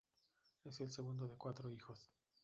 Es el segundo de cuatro hijos.